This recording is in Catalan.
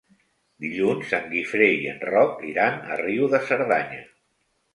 Dilluns en Guifré i en Roc iran a Riu de Cerdanya.